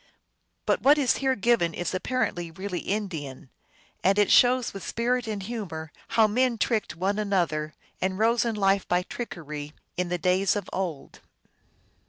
But what is here given is apparently really Indian, and it shows with spirit and humor how men tricked one another, and rose in life by trickery, in the days of old.